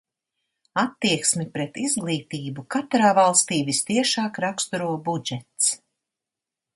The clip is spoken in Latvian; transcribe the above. Attieksmi pret izglītību katrā valstī vistiešāk raksturo budžets.